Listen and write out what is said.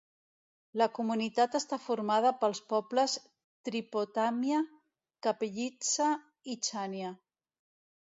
La comunitat està formada pels pobles Tripotàmia, Kapellitsa i Chania.